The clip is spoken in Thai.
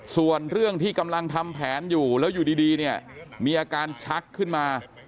ส่วนเรื่องที่กำลังทำแผนอยู่แล้วอยู่ดีเนี่ยมีอาการชักขึ้นมา